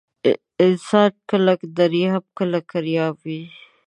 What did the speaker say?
انسان کله درياب ، کله کرياب وى.